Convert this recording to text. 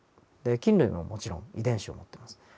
菌類ももちろん遺伝子を持っています。